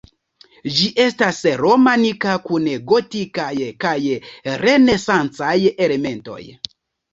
Ĝi estas romanika kun gotikaj kaj renesancaj elementoj.